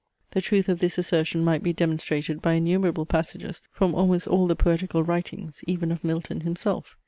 The truth of this assertion might be demonstrated by innumerable passages from almost all the poetical writings, even of Milton himself."